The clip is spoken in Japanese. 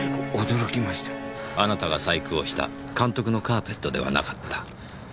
あなたが細工をした監督のカーぺットではなかった。